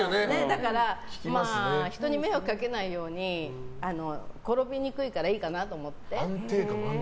だから人に迷惑かけないように転びにくいからいいかなと思って。